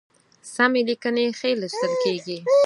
سمي لیکنی ښی لوستل کیږي